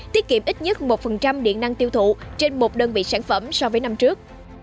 tiết kiệm ít nhất một điện năng tiêu thụ trên một đơn vị sản phẩm so với năm trước